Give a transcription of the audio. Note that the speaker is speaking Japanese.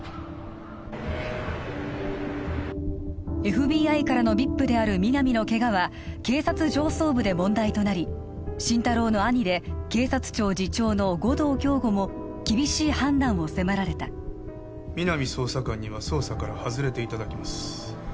ＦＢＩからのＶＩＰである皆実のケガは警察上層部で問題となり心太朗の兄で警察庁次長の護道京吾も厳しい判断を迫られた皆実捜査官には捜査から外れていただきます